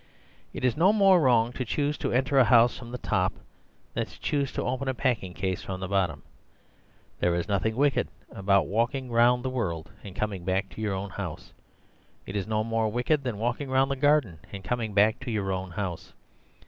It is no more wrong to choose to enter a house from the top than to choose to open a packing case from the bottom. There is nothing wicked about walking round the world and coming back to your own house; it is no more wicked than walking round the garden and coming back to your own house.